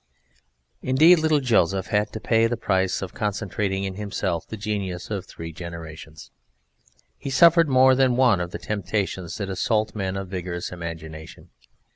Indeed, little Joseph had to pay the price of concentrating in himself the genius of three generations, he suffered more than one of the temptations that assault men of vigorous imagination.